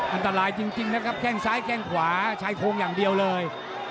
อันตรายจริงนะครับแข้งซ้ายแข้งขวาชายโครงอย่างเดียวเลย